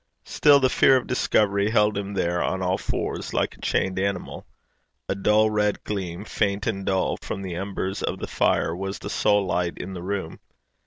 Still, the fear of discovery held him there on all fours, like a chained animal. A dull red gleam, faint and dull, from the embers of the fire, was the sole light in the room.